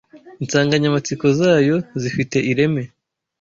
Insanganyamatsiko zayo zifite ireme